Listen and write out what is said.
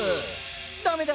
ダメだ！